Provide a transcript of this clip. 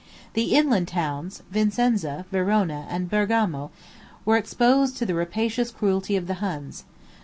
The inland towns, Vicenza, Verona, and Bergamo, were exposed to the rapacious cruelty of the Huns.